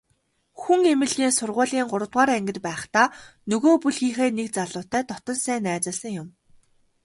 Хүн эмнэлгийн сургуулийн гуравдугаар ангид байхдаа нөгөө бүлгийнхээ нэг залуутай дотно сайн танилцсан юм.